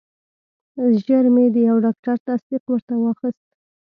ژر مې د یو ډاکټر تصدیق ورته واخیست.